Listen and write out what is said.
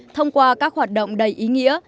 thông qua các hoạt động đầy ý nghĩa